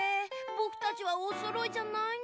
ぼくたちはおそろいじゃないのだ。